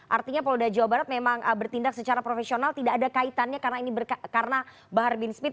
artinya polda jawa barat memang bertindak secara profesional tidak ada kaitannya karena ini berkaitan dengan kasat jenderal tni dudung abdul rahman